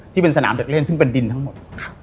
ที่เป็นสนามเด็กเล่นซึ่งเป็นดินทั้งหมด